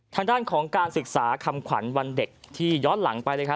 ทางด้านของการศึกษาคำขวัญวันเด็กที่ย้อนหลังไปเลยครับ